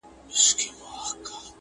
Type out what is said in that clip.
o يو ښار دوه نرخه!